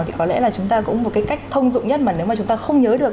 thì có lẽ là chúng ta cũng một cái cách thông dụng nhất mà nếu mà chúng ta không nhớ được